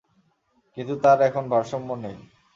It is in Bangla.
কিন্তু তার এখন ভারসাম্য নেই!